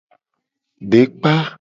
Dekpa.